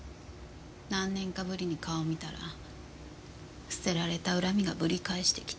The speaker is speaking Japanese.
何年かぶりに顔を見たら捨てられた恨みがぶり返してきたの。